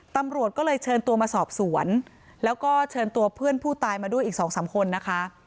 ตำรวจก็เลยเชิญตัวมาสอบสวนแล้วก็เชิญตัวเพื่อนผู้ตายมาด้วยอีกสองสามคนนะคะ